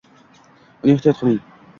Uni ehtiyot qiling